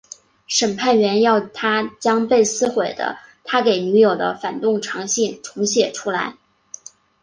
审判员要他将被撕毁的他给女友的反动长信重写出来。